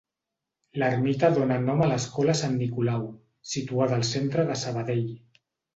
L'ermita dóna nom a l'Escola Sant Nicolau, situada al centre de Sabadell.